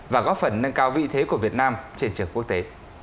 và góp phần nâng cao vị thế của việt nam trên trường quốc tế